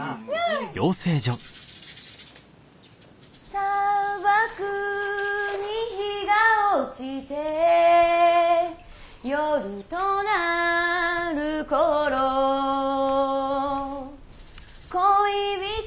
沙漠に陽が落ちて夜となる頃恋人よ